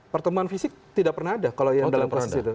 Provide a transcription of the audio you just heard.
pertemuan fisik tidak pernah ada kalau yang dalam proses itu